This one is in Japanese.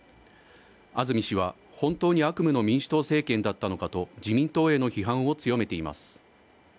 安住氏は本当に悪夢の民主党政権だったのかと自民党への批判を強めています